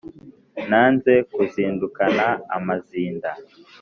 Nanze kuzindukana amazinda